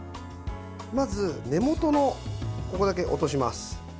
まず根元のところだけ落とします。